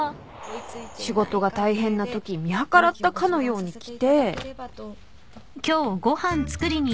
仕事が大変なとき見計らったかのように来て。